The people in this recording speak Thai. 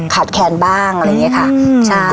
แคนบ้างอะไรอย่างนี้ค่ะ